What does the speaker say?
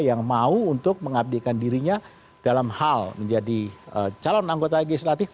yang mau untuk mengabdikan dirinya dalam hal menjadi calon anggota legislatif